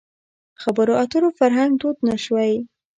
خبرو اترو فرهنګ دود نه شوی.